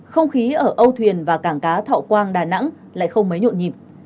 không khí ở âu thuyền và cảng cá thọ quang đà nẵng lại không mấy nhộn nhịp